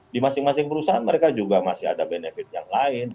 di masing masing perusahaan mereka juga masih ada benefit yang lain